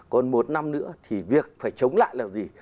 còn một năm nữa thì việc phải chống lại là gì